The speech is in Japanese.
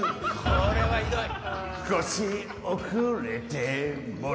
これはひどい！